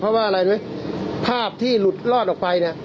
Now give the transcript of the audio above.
เพราะว่าอะไรรู้ไหมภาพที่หลุดลอดออกไปเนี่ย